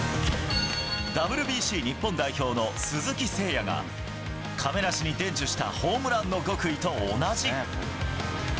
ＷＢＣ日本代表の鈴木誠也が、亀梨に伝授した、ホームランの極意と同じ。